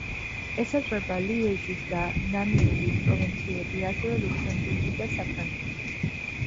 ესაზღვრება ლიეჟის და ნამიურის პროვინციები, ასევე ლუქსემბურგი და საფრანგეთი.